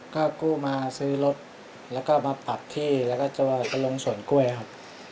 ก็กู้มาซื้อรถแล้วก็มาปรับที่แล้วก็จะลงสวนกล้วยครับ